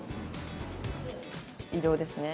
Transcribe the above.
移動ですね。